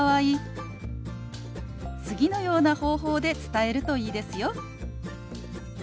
次のような方法で伝えるといいですよ。